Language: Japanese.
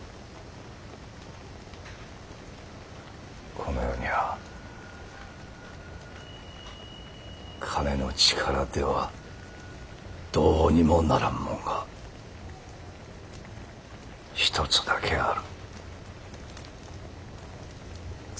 この世にゃ金の力ではどうにもならんもんが一つだけある。